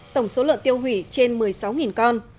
tổng số lợn tiêu hủy trên một mươi sáu con